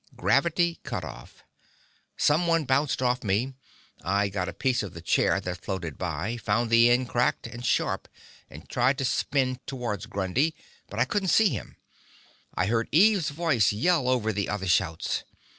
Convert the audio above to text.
Gravity cut off! Someone bounced off me. I got a piece of the chair that floated by, found the end cracked and sharp, and tried to spin towards Grundy, but I couldn't see him. I heard Eve's voice yell over the other shouts.